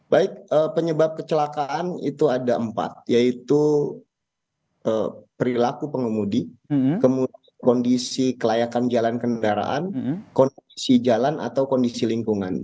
baik penyebab kecelakaan itu ada empat yaitu perilaku pengemudi kemudian kondisi kelayakan jalan kendaraan kondisi jalan atau kondisi lingkungan